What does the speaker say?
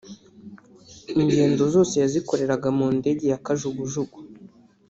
ingendo zose yazikoreraga mu ndege ya Kajugujugu